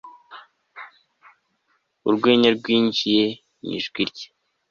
Urwenya rwinjiye mu ijwi rye